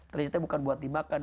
ternyata bukan buat dimakan